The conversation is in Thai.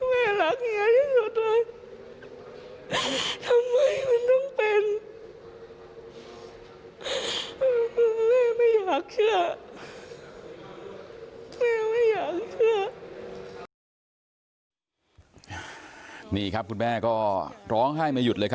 แม่รักแม่ที่สุดเลย